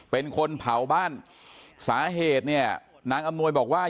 เป็นคนเผาบ้านสาเหตุเนี่ยนางอำนวยบอกว่า